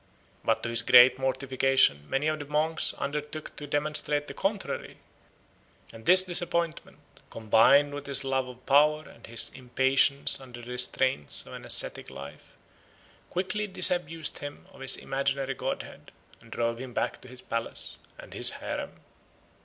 But to his great mortification many of the monks undertook to demonstrate the contrary; and this disappointment, combined with his love of power and his impatience under the restraints of an ascetic life, quickly disabused him of his imaginary godhead, and drove him back to his palace and his harem.